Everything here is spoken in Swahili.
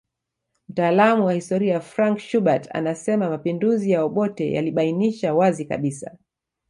Mtaalamu wa historia Frank Schubert anasema mapinduzi ya Obote yalibainisha wazi kabisa